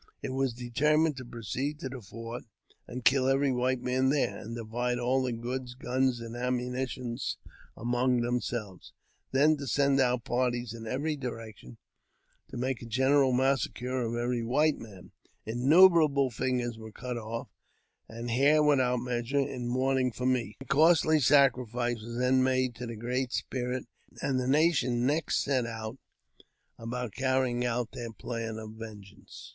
It was decided to proceed to the fort and kill every white man there, and divide all the goods, guns, a: ammunition among themselves ; then to send out parties in eve; direction, and make a general massacre of every white m Innumerable fingers were cut off, and hair without measure, in' mourning for me ; a costly sacrifice was then made to Great Spirit, and the nation next set about carrying out tl plans of vengeance.